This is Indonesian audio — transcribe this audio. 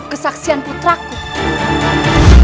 untuk mengetahui duduk permasalahan ini